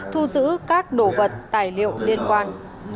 thu giữ các đồ vật tài liệu liên quan